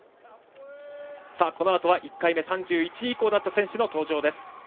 このあとは１回目３１位以降だった選手の登場です。